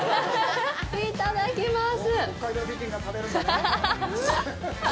いただきます。